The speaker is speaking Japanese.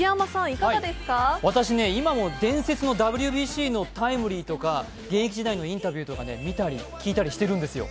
私、今も伝説のＷＢＣのタイムリーとか現役時代のインタビューとか見たり聞いたりしてるんですよ。